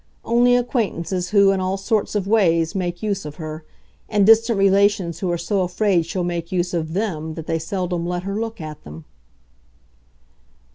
Only acquaintances who, in all sorts of ways, make use of her, and distant relations who are so afraid she'll make use of THEM that they seldom let her look at them."